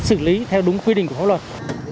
xử lý theo đúng quy định của pháp luật